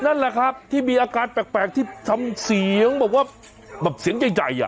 นั่นแหละครับที่มีอาการแปลกที่ทำเสียงแบบว่าแบบเสียงใหญ่อ่ะ